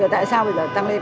tại sao bây giờ tăng lên